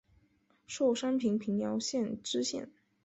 授山西平遥县知县。